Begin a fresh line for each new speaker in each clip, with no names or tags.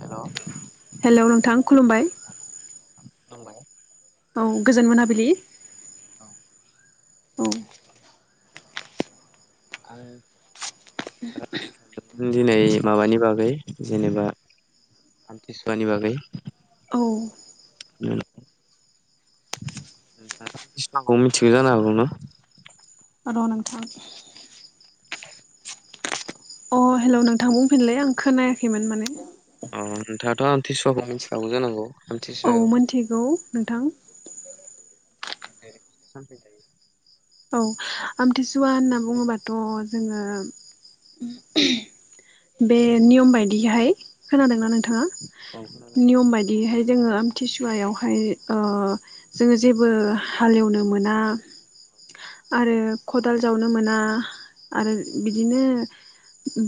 Hello
hello नोंथां खुलुमबाय
खुलुमबाय
औ गोजोन मोनाबिलि
औ
द'
आं रायलायनो सानदोंमोन दिनै माबानि बागै जेनेबा आथि सहनि बागै
औ
नखौ मिथि जा आरो ना
रनोंथांम अ हेल' नोंथां बुंफिनलै आं खोनायाखैमोन माने
अ नोंथाङाथ' आन्थिस'खौ मिथियागौ जानांगौ
औ
आमथिसुवायाव
मिथिगौ नोंथां
जायो
औ
बेनि
आमथिसुवा होनना
सोमोन्दै
बुङोबाथ' जोङो बे नियम बायदियहाय
औ
खोनादोंना नोंथाङा
औ खोनादों
नियम बायदियहाय जोङो आमथिसुवायावहाय जोङो जेबो हालेवनो मोना
औ
आरो
खामानि
खदाल
खामानि
जावनो
माव
मोना आरो बिदिनो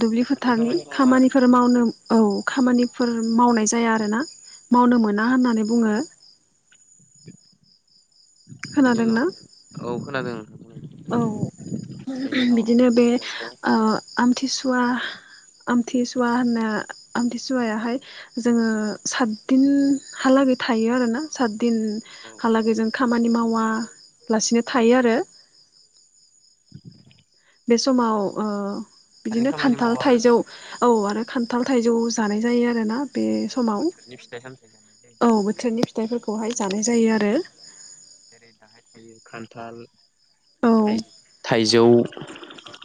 दुब्लि फोथारनि
खामानि मावा आरो
खामानिफोर मावनो औ खामानिफोर मावनाय जाया आरोना मावनो मोना होननानै बुङो।
बिनि
खोनादोंना
उनाव औ खोनादों
औ
बेनि उनाव
बिदिनो बे
आमथिसुवायावथ' औ
आमथिसुवा आमथिसुवा होनना आमथिसुवायाहाय जोङो सातदिनहालागै थायो आरो ना सा
फोथारनि
दिनहाालागैजों खामानि मावालासिनो थायो आरो बे समाव बिदिनो
खामानि
खान्थाल
मावा आरोना
थाइजौ औ आरो खान्थाल थाइजौ जानाय जायो आरो ना बे
औ
समाव
बोथोरनि फिथाइ सामथाइ जानाय जायो
औ बोथोरनि फिथाइफोरखौहाय जानाय जायो आरो
जेरै दाहाय थायो खान्थाल
औ
थाइजौ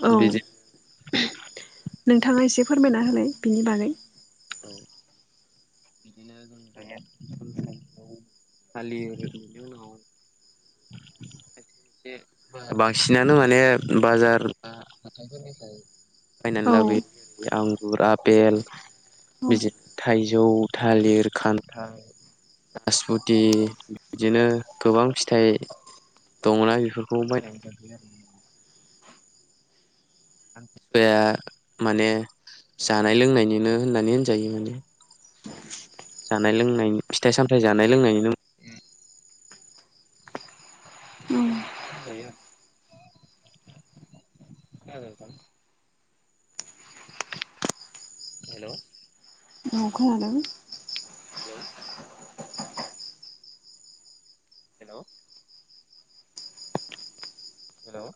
औ
बिदिनो
नोंथाङा एसे फोरमायना होलाय बिनि बागै
औ बिदिनो थालिर आ ए बांसिनानो माने बाजार हाथाइफोरनिफ्राय बायनानै
औ
लाबोयो आंगुर आफपेल
औ
बिदिनो थाइजौ जौ थालिर खान्थाल राजफुत बिदिनो गोबां फिथाइ दंना बेफोरखौ बायनानै जाफैयो आरो आमसिसुवाया माने जानाय लोंनायनिनो होननानै होनजायो माने जानाय लोंनायनि फिथाइ सामथाय जानाय लोंनायनिनो नो ए द हेल'
औ खोनादों
हेलौ हेलौ हेलौ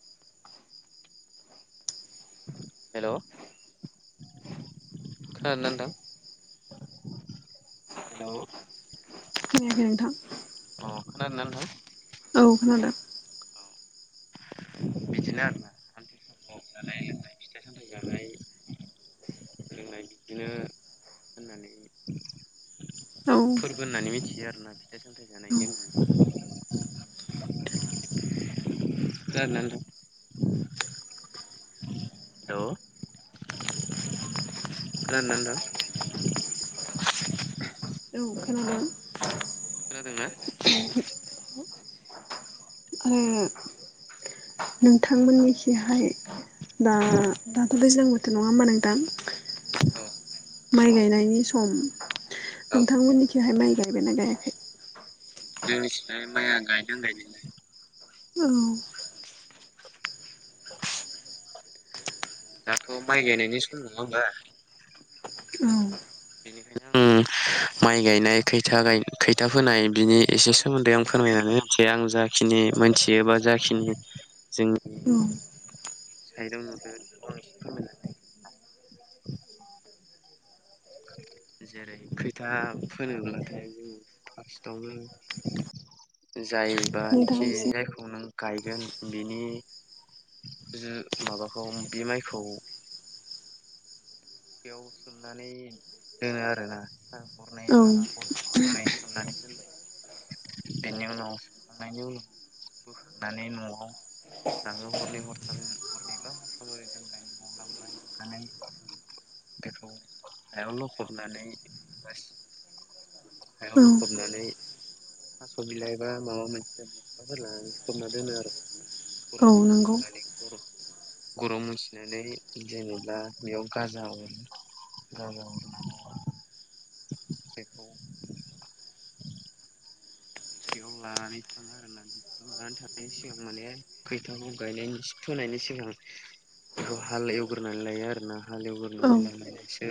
हेलौ खोनादोंना नोंथां? हेलौ
खोनायाखै नोंथां
अ खोनादोंना नोंथां?
औ खोनादों
बिदिनो आरोना आमथि समाव जानाय-लोंनाय फिथाइ-सामथाइ जानाय लोंनाय बिदिनो होननानै
औ
फोरबो होननानै मिथियो आरोना फिथाइ-सामथाइ जानायनि [inaudible] हेल' खोनादोंना नोंथां
औ औ खोनादों
खोनादों ना?
आरो नोंथांमोननिखिहाय दा दाथ' दैज्लां बो थोर नङा होमबा नोंथां
अ
माइ गायनायनि सम।
औ
नोंथांमोननिथिहाय माइ गायबायना गायाखै?
जोंनिथिंलाय माइया गायदों गायनायालाय
औ
दाथ' माइ गायनायनि सम नङा होमबा
औ
बेनिखायनो ओम माइ गायनाय खैथा गाय खैथा फोनाय बिनि एसे सोमोन्दै आं फोरमायनानै होनसै आं जाखिनि मोनथियो बा जाखिनि
औ
जोंनि साइदाव नुदों फंनैसो फोरमायना होनोसै आं। [inaudible] जेरै खैथा फोनोब्लाथाय जों फार्स्टआवनो
नोंथाङा
जायबानाखि
एसे
जायखौ नों गायगोन बिनि ओ माबाखौ बे माइखौ [inaudible] सोमनानै दोनबाय।
औ
बेनि उनाव सोमखांनायनि उनाव बोखांनानै न'आव आङो हरनै हरथाम हरनै बा हाथाय आरैनो दोनबाय नआव लांबाय लांनानै बेखौ हायाव लखबनानै हायाव
औ
लखबनानै थास' बिलाइ बा माबा मोनसे बसथाफोर लानानै खोबना दोनो आरो गरं
औ नंगौ
मुथिनानै गरं मुथिनानै जेनेबा बेयाव गाजा गाजा हरहोनानै बेखौ बेयाव लानानै थाङो आरोना बेयाव लानानै थांनायनि सिगां माने खैथाखौ गायनायनि फोनाय बिनि सिगां बेखौ हाल एवग्रोनै लायो आरो ना हाल
औ
एवग्रोनै लानानैसो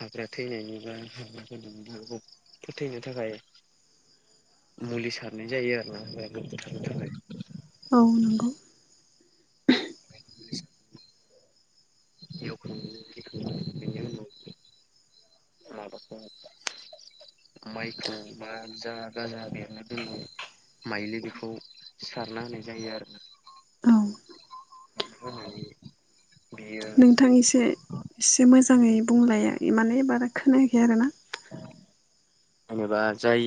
[inaudible] [unintelligible] [unintelligible] मुलि सारनाय जायो आरो ना बेखौ बुथारनो थाखाय।
औ नंगौ
[inaudible] [inaudible] माबाखौ माइखौ बा जा गाजा बेरनो दोनो माइलि बेखौ सारना होनाय जायो आरो
औ
[inaudible]
नोंथां एसे एसे मोजाङै बुंलाय माने बारा खोनायाखै आरो ना
जेनेबा जाय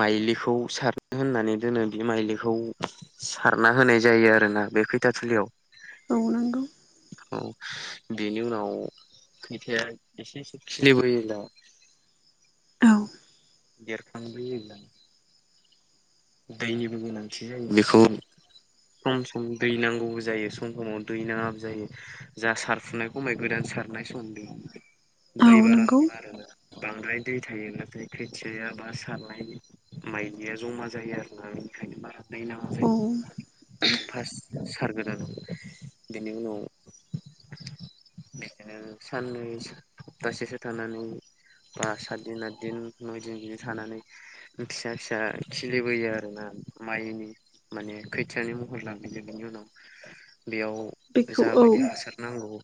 माइलिखौ सारनो होननानै दोनो बे माइलिखौ सारना होनाय जायो आरो ना बे खैथा थिलियाव
औ नंगौ
औ बेनि उनाव खैथाया एसे एसे खिलिबोयो ना
औ
देरखांबोयोब्ला दैनिबो गोनांथि जायो बेखौ सम सम दै नांगौबो जायो सम समाव दै नङाबो जायो जा सारफुनाय खमाय गोदान सारनाय समदि
औ
दै बारा
नंगौ
नाङा आरो ना बांद्राय दै थायोब्लाथाय खोथियाया बा सारनाय माइलिया जमा जायो आरोना बेनिखायनो बारा दै नाङा
औ
जायो। फास्ट सारगोदान बेनि उनाव [inaudible] ओ साननै सप्तासेसो थानानै बा सातदिन आतदिन नयदिन बिदि थानानै फिसा फिसा खिलिबोयो आरो ना माइनि माने खोथियानि महर लाबोयो बिनि उनाव बेयाव
बेखौ औ
जाबायदि हासार नांगौ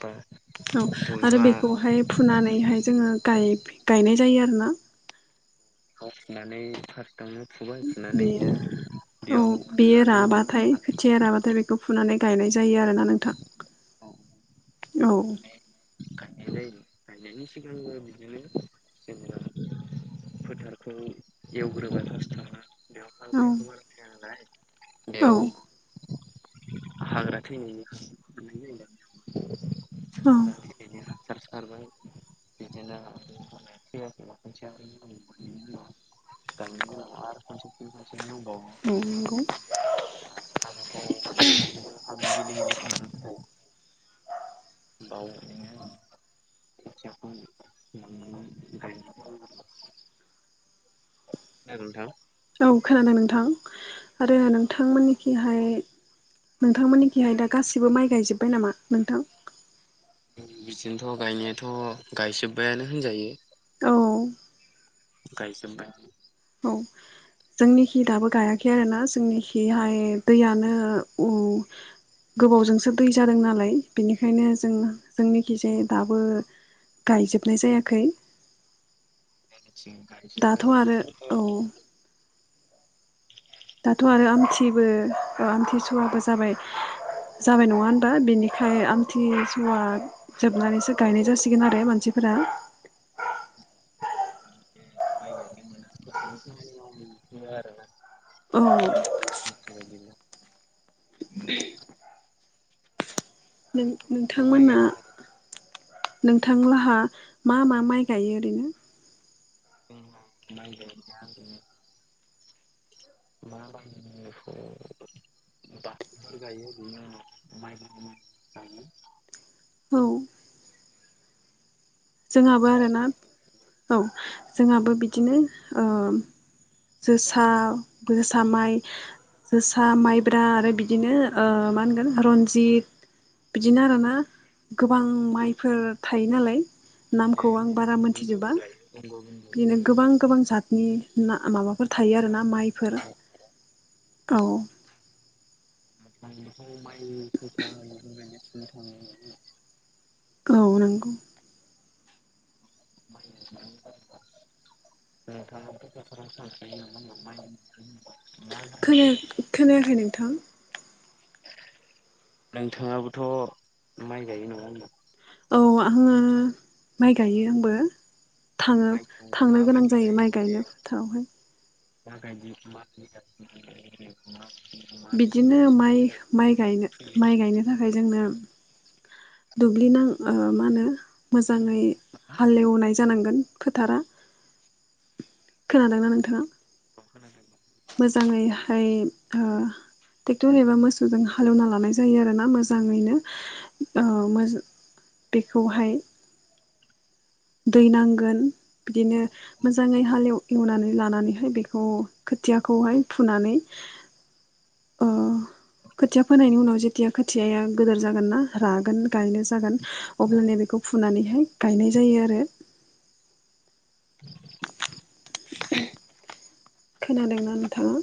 बा
औ आरो
बबेबा
बेखौहाय फुनानैहाय जोङो गाय-गायनाय जायो आरो ना
बेखौ फुनानै थार गावनो फुबाय फुनानै
बेयो औ
बेयाव
बेयो
हा दङोब्ला
राबाथाय
हा
खोथिया राबाथाय बेखौ फुनानै गायनाय जायो आरो ना नोंथां
हाखौ
औ
माने गायनाय जायो गायनायनि सिगांओ बिदिनो जेनेबा फोथारखौ एवग्रोबाय फास्टावनो बेयाव
औ
हाग्रायाथ' बारा थाया नालाय
औ
बेयाव हाग्रा थैनायनि [inaudible]
औ
बिदिनो हासार सारबाय बिदिनो [inaudible]
औ नंगौ
[unintelligible] [unintelligible] गिलि गिलि खालामनो थाखाय बाव नोङो [unintelligible] खोनादों नोंथां?
औ खोनादों नोंथां आरो नोंथांमोननिखिहाय नोंथांमोननिखिहाय दा गासिबो माइ गायजोब्बाय नामा नोंथां?
बिदिनोथ' गायनायाथ' गायजोबबायानो होनजायो
औ
गायजोबबाय
औ जोंनिखि दाबो गाया खै आरो ना जोंनिखिहाय दैयानो उ गोबावजोंसो दै जादों नालाय बेनिखायनो जों जोंनिखिजाय दाबो गायजोबनाय जायाखै।
जोंनिथिं
दाथ'
गायजोबबायानो
आरो औ
[inaudible]
दाथ' आरो आमथिबो अ आमथिसुवाबो जाबाय। जाबाय नङा होनबा दा बेनिखाय आमथिसुवा जोबनानैसो गायनाय जासिगोन आरो मानसि फोरा
[inaudible] आरो ना
औ
[inaudible]
[inaudible] नों
नोंथाङा माइ
नोंथांमोना
गायनो थांदों
नोंथां लाहा मा मा माइ गायो ओरैनो?
[inaudible] [inaudible] [inaudible]
औ जोंहाबो आरो ना औ जोंहाबो बिदिनो ओ जोसा जोसा माइ जोसा माइब्रा आरो बिदिनो ओ मा होनगोन रनजित बिदिनो आरोना गोबां माइफोर थायो नालाय नामखौ
जोसाबो
आं
गायो
बारा
बंग'
मोनथिजोबा
बन्दुबो गायो बंग' बन्दु
बिनो
ओमफ्राय
गोबां गोबां जातनि ना माबा फोर थायो आरो ना माइफोर औ
[inaudible]
औ नंगौ
[inaudible] [inaudible] मा गाहाम मोनो
[unintelligible] खोनायाखै नोंथां?
नोंथांङाबोथ' माइ गायो नङा होनबा?
औ आंङो माइ गायो आंबो। थांङो
माइखौ
थांनो गोनां
माबायदि
जायो
गायो
माइ
माने
गायनाय फोथारावहाय
[inaudible] बेसेबां
बिदिनो माइ
गोजानाव
माइ गायनो
फुयो
माइ गायनो थाखाय जोंनो दुब्लिनां ओ मा होनो मोजांङै
नोंथाङा
हालेवनाय जानांगोन फोथारा खोनादोंना नोंथांङा?
[inaudible]
मोजांङैहाय ओ ट्रेक्टर एबा मोसौजों हालएवना लानाय जायो आरो ना मोजांङैनो आ मोज बेखौहाय दै नांगोन बिदिनो मोजांङै हालेव नानै लानानैहाय बेखौ खोथियाखौहाय फुनानै ओ
[inaudible]
खोथिया फोनायनि उनाव जेथिया खोथियाया गोदोर जागोन ना रागोन गायनो जागोन अब्लानो
औ
बेखौ फुनानैहाय गायनाय जायो आरो [inaudible] खोनादोंना नोंथांङा?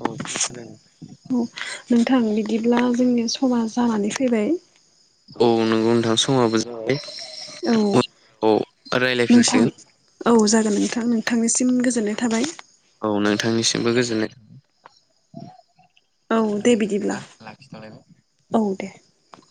औ खोनादों।
औ नोंथां बिदिब्ला जोंनि समा जानानै फैबाय
औ नोंगौ नोंथां समाबो जाबाय
औ
उनफोराव
नोंथां
रायज्लायफिनसिगोन
औ जागोन नोंथां आं नोंथांनिसिम गोजोननाय थाबाय
औ नोंथांनिसिमबो गोजोननाय
औ दे बिदिब्ला औ दे ओ